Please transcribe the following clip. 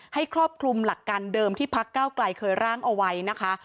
ครอบคลุมหลักการเดิมที่พักเก้าไกลเคยร่างเอาไว้นะคะ